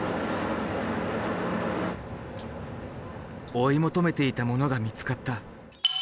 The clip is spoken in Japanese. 追い求めていたものが見つかった。